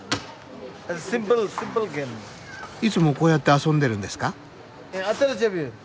いつもこうやって遊んでるんですか？